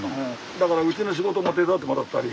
だからうちの仕事も手伝ってもらったり。